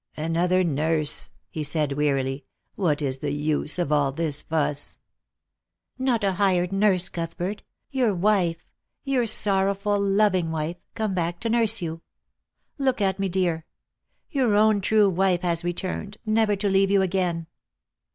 " Another nurse !" he said wearily. " What is the use of all this fuss ?" "Not a hired nurse, Cuthbert; your wife — your sorrowful, loving wife — come back to nurse you. Look at me, dear. Tour own true wife has returned, never to leave you again."